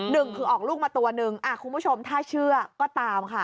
หนึ่งคือออกลูกมาตัวหนึ่งคุณผู้ชมถ้าเชื่อก็ตามค่ะ